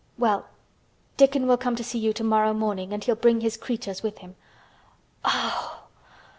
"Well, Dickon will come to see you tomorrow morning, and he'll bring his creatures with him." "Oh!